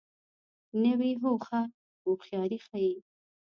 نوې هوښه هوښیاري ښیي